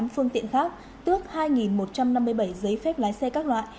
hai mươi tám phương tiện khác tước hai một trăm năm mươi bảy giấy phép lái xe các loại